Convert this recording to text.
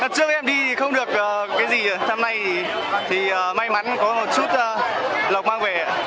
trước em đi thì không được cái gì tháng nay thì may mắn có một chút lọc mang về